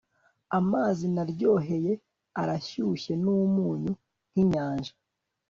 amazi naryoheye arashyushye numunyu, nkinyanja